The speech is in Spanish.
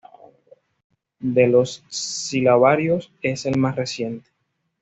De los dos silabarios es el más reciente.